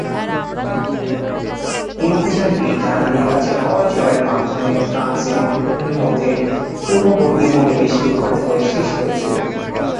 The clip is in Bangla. এই অভিযানটি জার্মানির কাছে পরাজয়ের মাধ্যমে ফ্রান্স এবং ব্রিটেনের মধ্যে পূর্ববর্তী উপনিবেশ বিভক্ত হয়ে শেষ হয়েছিল।